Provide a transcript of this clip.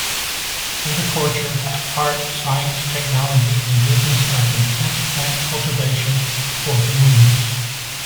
Horticulture - art, science, technology and business of intensive plant cultivation for human use.